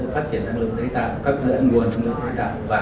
phát triển năng lượng tái tạo